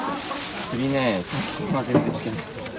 釣りねえ最近は全然してない。